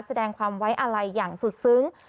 แสดงความไว้อาลัยอย่างสุดซึ้ง